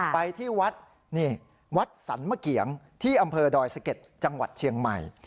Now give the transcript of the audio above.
ไปที่วัดนี่วัดสรรมะเกียงที่อำเภอดอยสะเก็ดจังหวัดเชียงใหม่